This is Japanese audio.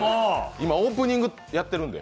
今、オープニングやってるんで。